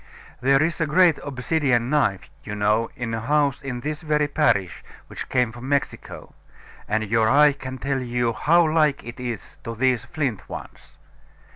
There is a great obsidian knife, you know, in a house in this very parish, which came from Mexico; and your eye can tell you how like it is to these flint ones.